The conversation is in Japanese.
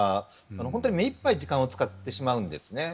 本当に目いっぱい時間を使ってしまうんですね。